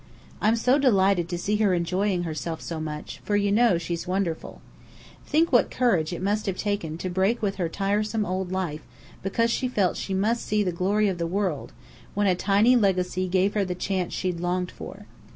I'm so delighted to see her enjoying herself so much, for you know, she's wonderful. Think what courage it must have taken to break with her tiresome old life, because she felt she must see the glory of the world, when a tiny legacy gave her the chance she'd longed for.